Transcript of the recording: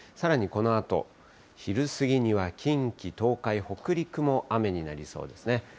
さらにこのあと、昼過ぎには近畿、東海、北陸も雨になりそうですね。